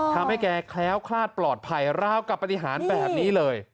แกแคล้วคลาดปลอดภัยราวกับปฏิหารแบบนี้เลย